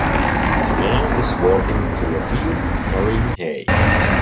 The man is walking through a field carrying hay